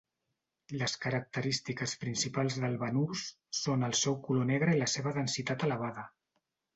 Les característiques principals del banús són el seu color negre i la seva densitat elevada.